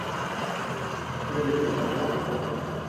Für den Imperator!